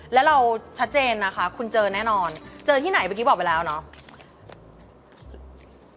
แล้วเราชัดเจนนะคะคุณเจอแน่นอนเจอที่ไหนเมื่อกี้บอกไปแล้วเนาะ